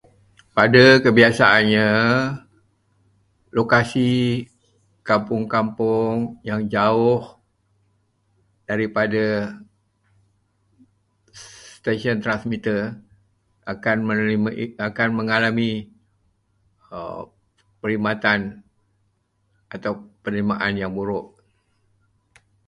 Pada kebiasaannya, lokasi kampung-kampung yang jauh daripada stesyen [unintelligible] akan menerima- akan mengalami perkhidmatan atau penerimaan yang buruk.